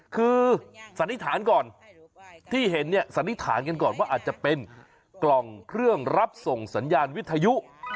คือสันนิษฐานก่อนที่เห็นเนี่ยสันนิษฐานกันก่อนว่าอาจจะเป็นกล่องเครื่องรับส่งสัญญาณวิทยุ